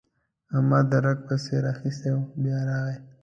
احمد رګه پسې راخيستې وه؛ بيا راغی.